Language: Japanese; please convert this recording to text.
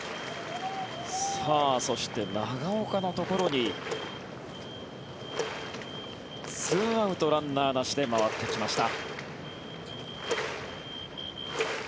そして長岡のところに２アウト、ランナーなしで回ってきました。